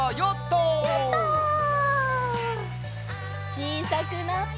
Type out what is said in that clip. ちいさくなって。